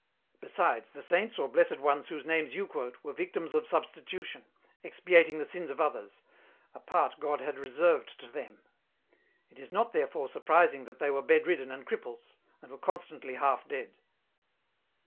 Besides, the Saints or Blessed ones whose names you quote were victims of substi tution, expiating the sins of others, a part God had re served to them ; it is not, therefore, surprising that they were bed ridden and cripples, and were constantly half dead.